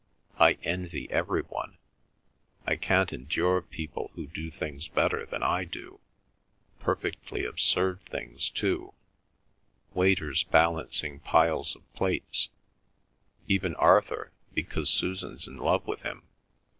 I envy every one. I can't endure people who do things better than I do—perfectly absurd things too—waiters balancing piles of plates—even Arthur, because Susan's in love with him.